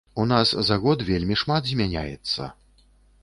У нас за год вельмі шмат змяняецца.